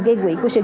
gây quỹ của sự kiện